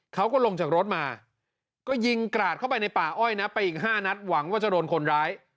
เขาก็ลงจากรถมาก็ยิงกราดเข้าไปในป่าอ้อยนะไปอีก๕นัดหวังว่าจะโดนคนร้าย